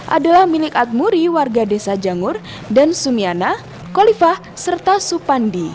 adalah milik atmuri warga desa jangur dan sumiana kolifah serta supandi